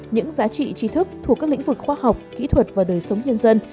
những giá trị trí thức thuộc các lĩnh vực khoa học kỹ thuật và đời sống nhân dân